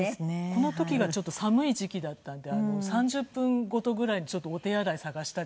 この時が寒い時期だったんで３０分ごとぐらいにお手洗い探したりしてね。